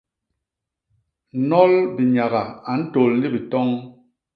Nnol binyaga a ntôl ni bitoñ.